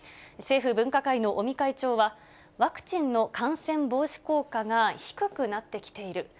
政府分科会の尾身会長は、ワクチンの感染防止効果が低くなってきている。